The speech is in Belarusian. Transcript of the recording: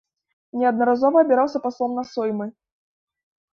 Неаднаразова абіраўся паслом на соймы.